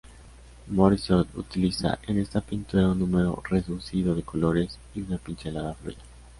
Morisot utiliza en esta pintura un número reducido de colores y una pincelada fluida.